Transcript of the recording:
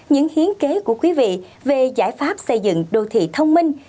những hiến kế của quý vị về giải pháp xây dựng đô thị thông minh